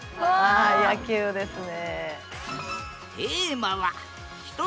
あ野球ですね。